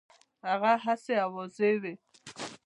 هغه هسي آوازې وي.